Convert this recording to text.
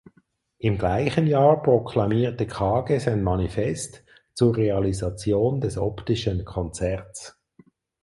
Im gleichen Jahr proklamierte Kage sein Manifest „Zur Realisation des optischen Konzerts“.